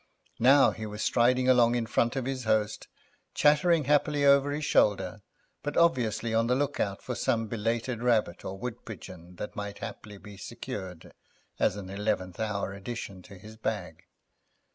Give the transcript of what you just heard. Now he was striding along in front of his host, chattering happily over his shoulder, but obviously on the look out for some belated rabbit or woodpigeon that might haply be secured as an eleventh hour addition to his bag.